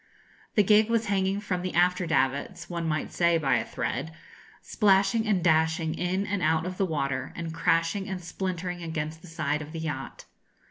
The gig was hanging from the after davits, one might say, by a thread, splashing and dashing in and out of the water, and crashing and splintering against the side of the yacht.